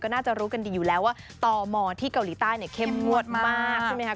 ก็น่าจะรู้กันดีอยู่แล้วว่าตมที่เกาหลีใต้เข้มหมวดมาก